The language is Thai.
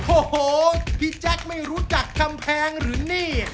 โอ้โหพี่แจ๊คไม่รู้จักคำแพงหรือนี่